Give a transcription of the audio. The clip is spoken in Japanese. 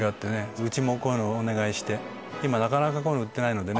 うちもこういうのお願いして今なかなか売ってないのでね。